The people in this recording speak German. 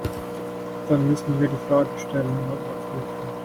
Dann müssen wir die Fahrgestellnummer überprüfen.